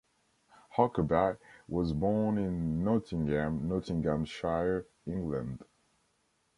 Huckerby was born in Nottingham, Nottinghamshire, England.